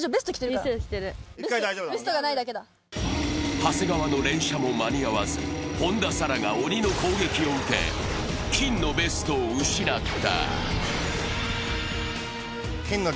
長谷川の連射も間に合わず、本田紗来が鬼の攻撃を受け、金のベストを失った。